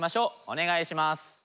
お願いします。